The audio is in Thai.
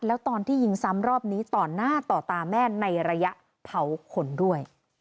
แล้วตอนที่ยิงซ้ำรอบนี้ต่อหน้าต่อตาแม่ในระยะเผาขนด้วย